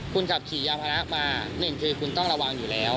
คุณขับขี่ยามพนะมาหนึ่งคือคุณต้องระวังอยู่แล้ว